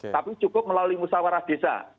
tapi cukup melalui musawarah desa